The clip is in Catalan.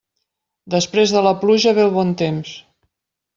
Després de la pluja ve el bon temps.